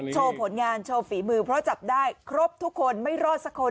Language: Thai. ผลงานโชว์ฝีมือเพราะจับได้ครบทุกคนไม่รอดสักคน